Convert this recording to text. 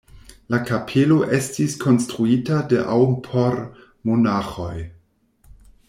La kapelo estis konstruita de aŭ por monaĥoj.